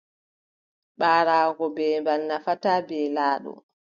Ɓaraago beembal nafataa beelaaɗo.